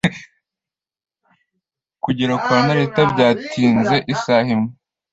Kugera kwa Narita byatinze isaha imwe.